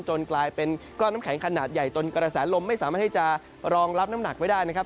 กลายเป็นก้อนน้ำแข็งขนาดใหญ่จนกระแสลมไม่สามารถที่จะรองรับน้ำหนักไว้ได้นะครับ